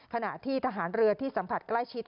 ขณะที่ทหารเรือที่สัมผัสใกล้ชิด